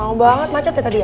mau banget macet ya tadi ya